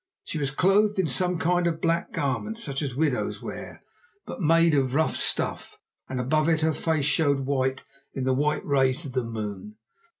She was clothed in some kind of a black garment, such as widows wear, but made of rough stuff, and above it her face showed white in the white rays of the moon.